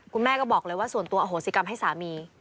คุณแม่ก็บอกเลยว่าส่วนตัวอโหสิกรรมให้สามี